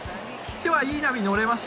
きょうはいい波に乗れました？